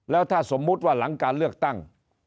แล้วถ้าสมมุติว่าหลังการเลือกตั้ง